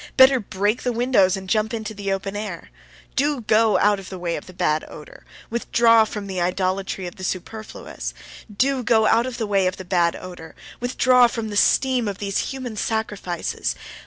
Better break the windows and jump into the open air! Do go out of the way of the bad odour! Withdraw from the idolatry of the superfluous! Do go out of the way of the bad odour! Withdraw from the steam of these human sacrifices!